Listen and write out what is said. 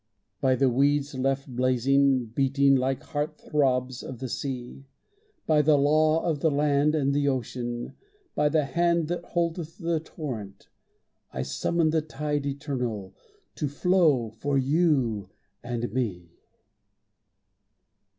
By the weeds left blazing, beating Like heart throbs of the sea, By the law of the land and the ocean, By the Hand that holdeth the torrent, I summon the tide eternal To flow for you and me!